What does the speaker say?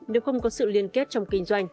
nếu không có sự liên kết trong kinh doanh